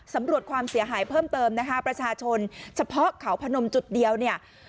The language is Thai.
สำรวจความเสียหายเพิ่มเติมนะคะประชาชนเฉพาะเขาพนมจุดเดียวเนี่ย